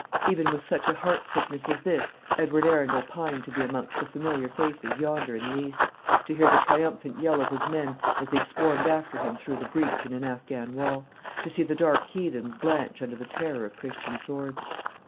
Even with such a heart sickness as this Edward Arundel pined to be amongst the familiar faces yonder in the East, to hear the triumphant yell of his men as they swarmed after him through the breach in an Affghan wall, to see the dark heathens blanch under the terror of Christian swords.